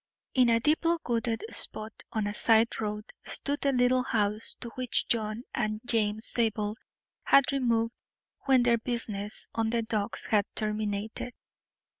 In a deeply wooded spot on a side road stood the little house to which John and James Zabel had removed when their business on the docks had terminated.